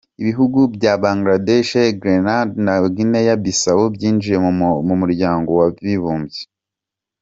Ibihugu bya Bangladesh, Grenada na Guinea-Bissau byinjiye mu muryango w’abibumbye.